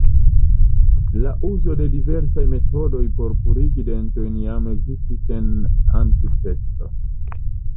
La uzo de diversaj metodoj por purigi dentojn jam ekzistis en antikveco.